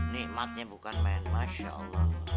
nikmatnya bukan main masya allah